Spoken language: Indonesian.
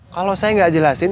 kalau saya gak jelasin